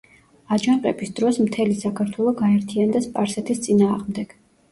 აჯანყების დროს მთელი საქართველო გაერთიანდა სპარსეთის წინააღმდეგ.